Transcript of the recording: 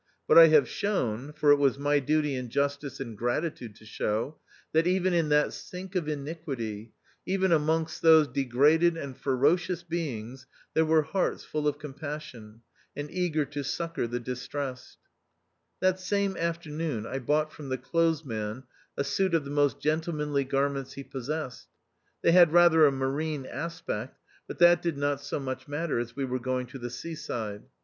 But I have shown — for it was my duty in justice and gratitude to show — that even in that sink of iniquity, even amongst those degraded and ferocious beings there were hearts full of compassion, and eager to succour the distressed. That same afternoon I bought from the clothesman a suit of the most gentlemanly garments he possessed ; they had rather a marine aspect, but that did not so much matter, as we were going to the sea side.